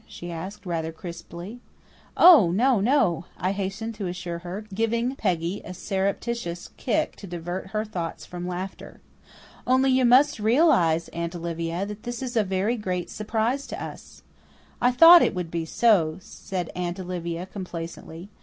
she asked, rather crisply. "Oh, no, no," I hastened to assure her, giving Peggy a surreptitious kick to divert her thoughts from laughter. "Only you must realize, Aunt Olivia, that this is a very great surprise to us." "I thought it would be so," said Aunt Olivia complacently.